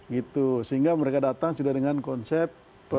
gitu sehingga mereka datang sudah dengan konsep